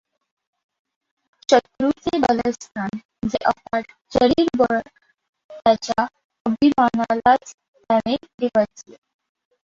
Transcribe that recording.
शत्रूचे बलस्थान जे अफाट शरीरबळ त्याच्या अभिमानालाच त्याने डिंवचले.